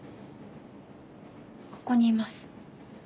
ここにいます。